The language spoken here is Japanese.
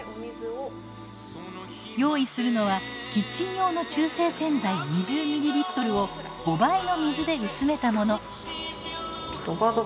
用意するのはキッチン用の中性洗剤２０ｍｌを５倍の水で薄めたもの。